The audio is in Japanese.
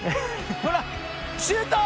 ほらシュート！